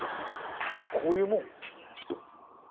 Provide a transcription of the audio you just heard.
こういうもん？